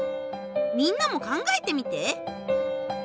みんなも考えてみて！